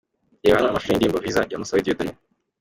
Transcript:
Reba hano amashusho y'indirimbo 'Visa' ya Musabe Dieudonne.